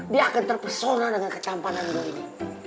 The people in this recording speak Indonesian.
dia akan terpesona dengan ketampanan gue ini